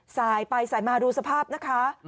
สายไปสายมาดูสภาพนะคะ